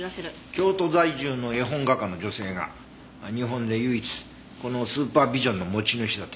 京都在住の絵本画家の女性が日本で唯一このスーパービジョンの持ち主だと言われてるね。